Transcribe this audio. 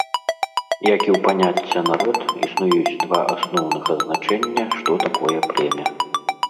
Як і ў паняцця народ, існуюць два асноўных азначэння, што такое племя.